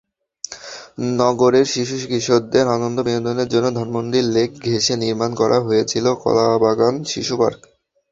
নগরের শিশু-কিশোরদের আনন্দ-বিনোদনের জন্য ধানমন্ডি লেক ঘেঁষে নির্মাণ করা হয়েছিল কলাবাগান শিশুপার্ক।